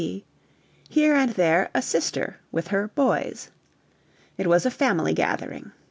D.; here and there a Sister with her "boys." It was a family gathering.